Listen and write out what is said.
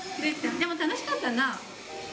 でも楽しかったな。